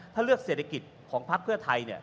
ถ้าเลือกเศรษฐกิจของภาคเครือไทยเนี่ย